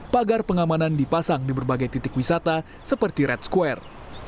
pagar pengamanan dipasang di berbagai titik wisata seperti red square